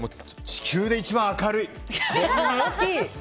地球で１番明るい。